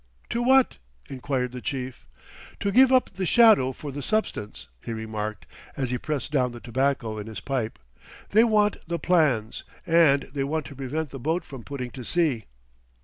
"To what?" enquired the chief. "To give up the shadow for the substance," he remarked, as he pressed down the tobacco in his pipe. "They want the plans, and they want to prevent the boat from putting to sea."